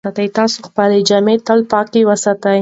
تاسې خپلې جامې تل پاکې وساتئ.